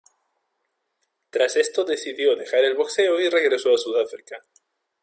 Tras esto decidió dejar el boxeo y regresó a Sudáfrica.